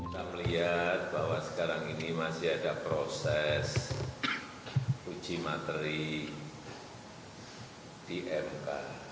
kita melihat bahwa sekarang ini masih ada proses uji materi di mk